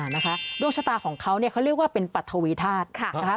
นะคะโดนชะตาของเขาเขาเรียกว่าเป็นปรัฐวีธาตุค่ะ